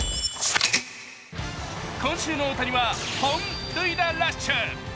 今週の大谷は本塁打ラッシュ。